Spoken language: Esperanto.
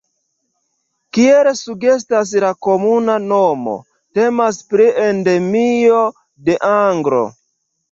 Kiel sugestas la komuna nomo, temas pri Endemio de Angolo.